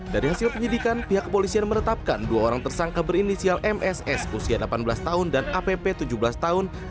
dari hasil penyidikan pihak kepolisian menetapkan dua orang tersangka berinisial mss usia delapan belas tahun dan app tujuh belas tahun